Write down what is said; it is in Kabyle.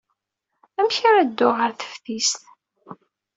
Amek ara dduɣ ɣer teftist?